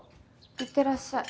いってらっしゃい。